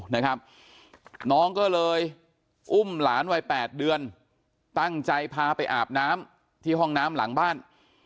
น้องก็เลยอุ้มหลานวัย๘เดือนตั้งใจพาไปอาบน้ำที่ห้องน้ำหลังบ้าน